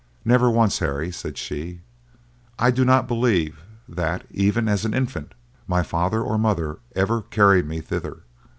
"Never once, Harry," said she; "I do not believe that, even as an infant, my father or mother ever carried me thither.